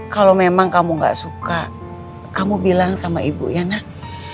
kalau memang kamu gak suka kamu bilang sama ibu ya nak